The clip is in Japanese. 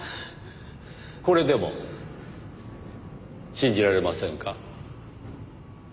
これでも信じられませんか？